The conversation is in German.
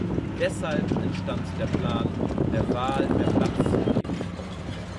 Deshalb entstand der Plan, der Waal mehr Platz zu geben.